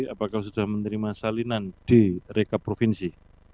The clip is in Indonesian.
apakah sudah menerima salinan di rekap provinsi